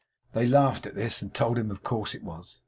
They laughed at this, and told him of course it was.